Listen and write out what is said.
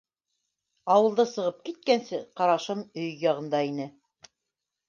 Ауылды сығып киткәнсе, ҡарашым өй яғында ине.